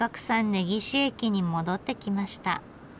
根岸駅に戻って来ました。